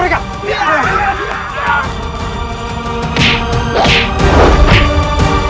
jangan kabur kalian